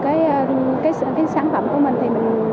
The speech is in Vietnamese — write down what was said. được cái sản phẩm của mình thì mình